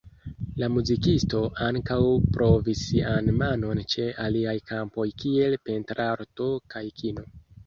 La muzikisto ankaŭ provis sian manon ĉe aliaj kampoj kiel pentrarto kaj kino.